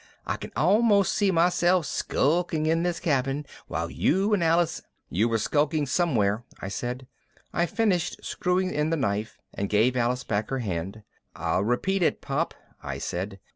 I can almost see myself skulking in this cabin, while you and Alice " "You were skulking somewhere," I said. I finished screwing in the knife and gave Alice back her hand. "I'll repeat it, Pop," I said.